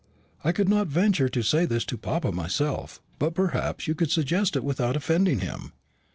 I could not venture to say this to papa myself, but perhaps you could suggest it without offending him.